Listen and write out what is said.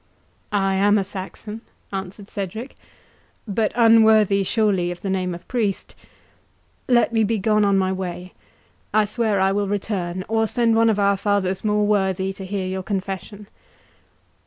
"I am a Saxon," answered Cedric, "but unworthy, surely, of the name of priest. Let me begone on my way—I swear I will return, or send one of our fathers more worthy to hear your confession."